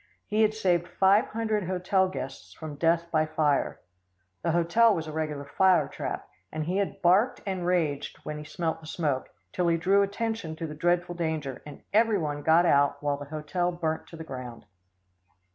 He had saved five hundred hotel guests from death by fire. The hotel was a regular fire trap, and he had barked and raged when he smelt the smoke, till he drew attention to the dreadful danger, and every one got out while the hotel burnt to the ground.